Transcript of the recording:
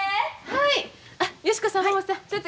はい。